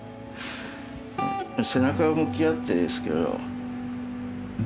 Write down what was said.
背中向き合ってですけど。